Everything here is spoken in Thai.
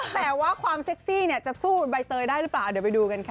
แต่ว่าความเซ็กซี่เนี่ยจะสู้ใบเตยได้หรือเปล่าเดี๋ยวไปดูกันค่ะ